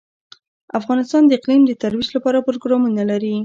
افغانستان د اقلیم د ترویج لپاره پروګرامونه لري.